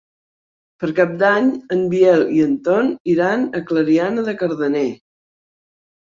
Per Cap d'Any en Biel i en Ton iran a Clariana de Cardener.